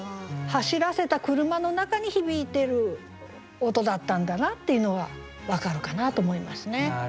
走らせた車の中に響いてる音だったんだなっていうのが分かるかなと思いますね。